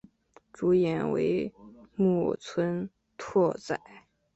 主演为木村拓哉。